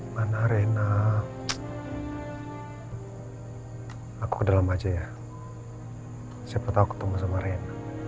mana rena aku ke dalam aja ya siapa tahu ketemu sama rena